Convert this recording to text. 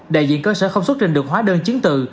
đại diện cơ sở không xuất trình được hóa đơn chiến tự